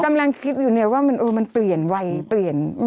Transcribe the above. กำลังคิดอยู่เนี่ยว่ามันเปลี่ยนวัยเปลี่ยน